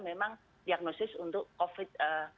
memang diagnosis untuk covid sembilan belas